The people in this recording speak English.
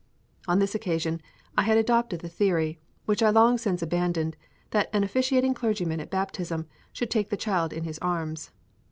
On this occasion I had adopted the theory, which I long since abandoned, that an officiating clergyman at baptism should take the child in his arms.